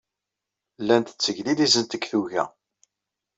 Llant tteglilizent deg tuga.